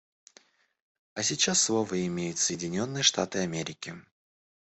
А сейчас слово имеют Соединенные Штаты Америки.